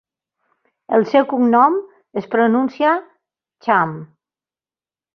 El seu cognom es pronuncia "Chahm".